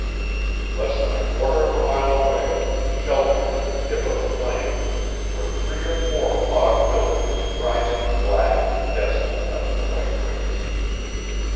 Less than a quarter of a mile away, sheltered in a dip of the plain, were three or four log buildings rising black and desolate out of the white waste.